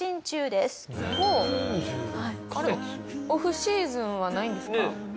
オフシーズンはないんですか？